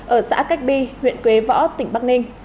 ở xã cách bi huyện quế võ tỉnh bắc ninh